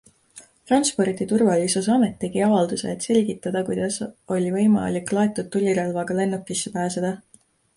Transporditurvalisusamet tegi avalduse, et selgitada, kuidas oli võimalik laetud tulirelvaga lennukisse pääseda.